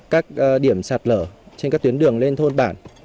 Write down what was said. các điểm sạt lở trên các tuyến đường lên thôn bản